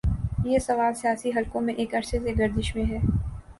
یہ سوال سیاسی حلقوں میں ایک عرصے سے گردش میں ہے۔